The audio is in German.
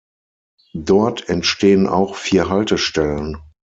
Dort entstehen auch vier Haltestellen.